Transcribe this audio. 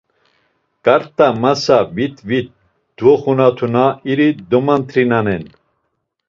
K̆arta masas vit vit dovoxunatna iri domant̆rinenan.